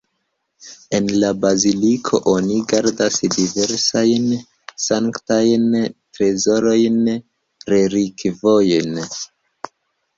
En la baziliko oni gardas diversajn sanktajn trezorojn, relikvojn.